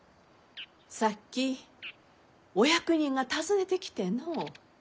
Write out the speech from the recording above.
さっきお役人が訪ねてきてのう。